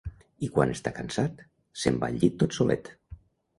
I, quan està cansat, se'n va al llit tot solet.